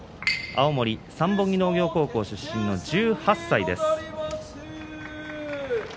青森三本木農業高校出身の１８歳。